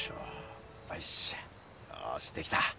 よしできた。